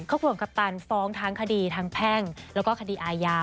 ครับคุณคัปตันฟ้องทั้งคดีทางแพ่งแล้วก็คดีอายา